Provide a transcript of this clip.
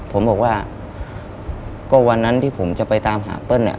ผมบอกว่าก็วันนั้นที่ผมจะไปตามหาเปิ้ลเนี่ย